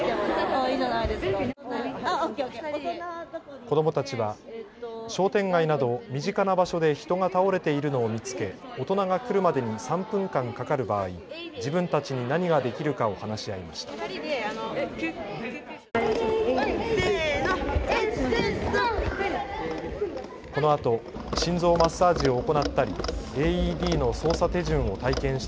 子どもたちは商店街など身近な場所で人が倒れているのを見つけ大人が来るまでに３分間かかる場合、自分たちに何ができるかを話し合いました。